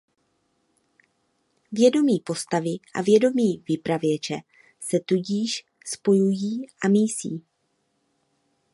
Vědomí postavy a vědomí vypravěče se tudíž spojují a mísí.